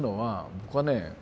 僕はね